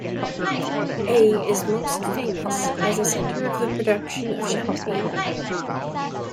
Ay is most famous as a centre of the production of Champagne.